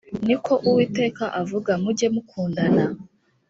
ni ko uwiteka avuga mujye mukundana